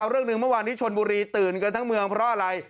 เรื่องหนึ่งเมื่อวานที่ชนบุรีตื่นกันทั้งเมืองเพราะอะไร